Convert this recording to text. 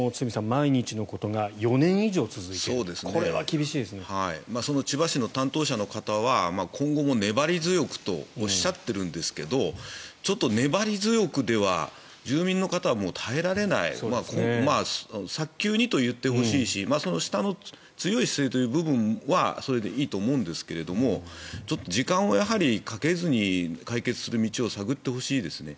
毎日のことが４年以上続いているその千葉市の担当者の方は今後も粘り強くとおっしゃっているんですが粘り強くでは住民の方はもう耐えられない早急にと言ってほしいしその下の強い姿勢という部分はそれでいいと思うんですが時間をかけずに解決する道を探ってほしいですね。